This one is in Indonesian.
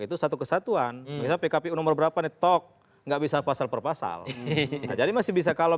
itu satu kesatuan bisa pkpu nomor berapa nih tok nggak bisa pasal per pasal jadi masih bisa kalau